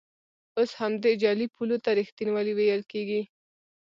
اوس همدې جعلي پولو ته ریښتینولي ویل کېږي.